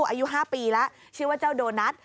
อายุ๕ปีแล้วชื่อว่าเจ้าโดนัท